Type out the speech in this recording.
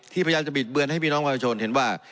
ที่พระยาทธิบิตเบืินให้พี่น้องโครงโภชนี่เห็นว่า